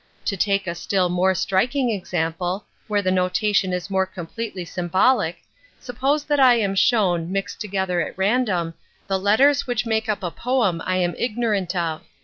To take a still more striking example, where the notation is more completely Rymbolic, suppose that I am shown, mixed together at random, the letters which make up a poem I am ignorant of.